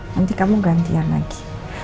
nanti kamu gantian lagi